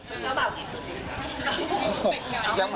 คุยกับแบบอีกสุดยอดครับ